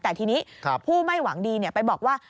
แต่ทีนี้ผู้ไม่หวังดีไปบอกว่า